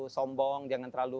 sombong jangan terlalu